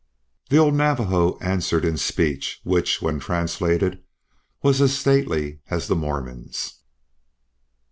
The old Navajo answered in speech which, when translated, was as stately as the Mormon's.